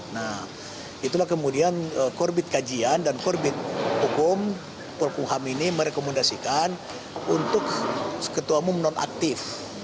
nah itulah kemudian korbit kajian dan korbit hukum perhukum ham ini merekomendasikan untuk ketua mum nonaktif